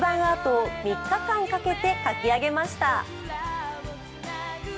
アートを３日間かけて描き上げました。